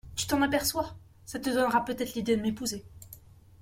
Tu t’en aperçois !… ça te donnera peut-être l’idée de m’épouser.